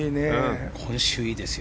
今週いいですよ。